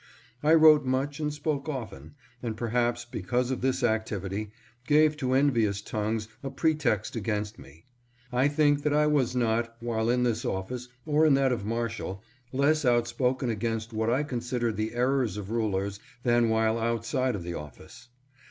I wrote much and spoke often, and perhaps because of this activity gave to envious tongues a pretext against me. I think that I was not, while in this office or in that of Marshal, less outspoken against what I considered the errors of rulers, than while outside of the office.